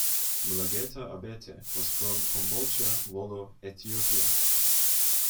Mulugeta Abate was from Kombolcha, Wollo, Ethiopia.